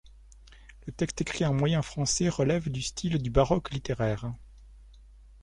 Le texte écrit en moyen français relève du style du baroque littéraire.